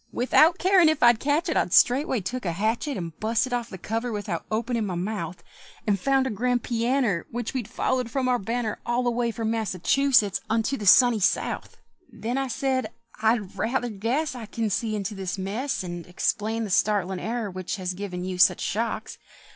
Without carin' if I'd catch it, I straightway took a hatchet, And busted off the cover without openin' my mouth; And found a grand pianner Which we'd followed for our banner All the way from Massachusetts unto the sunny South! Then I said, "I rather guess I can see into this mess, And explain the startlin' error which has given you such shocks.